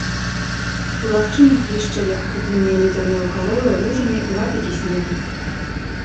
У лагчынах блішчэлі ахопленыя ледзяной карою лужыны і лапікі снегу.